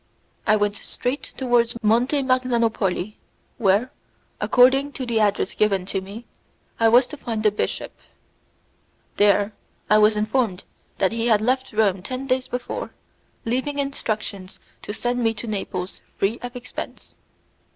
I went straight towards Monte Magnanopoli, where, according to the address given to me, I was to find the bishop. There I was informed that he had left Rome ten days before, leaving instructions to send me to Naples free of expense.